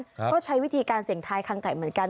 ก็ใช้วิธีการเสี่ยงทายคางไก่เหมือนกัน